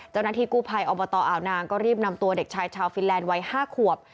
เจ้าหน้าที่กู้ภัยอบตอ่าวนางก็รีบนำตัวเด็กชายชาวฟินแลนด์วัย๕ขวบ